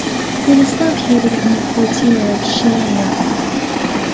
It is located in the quartiere of Chiaia.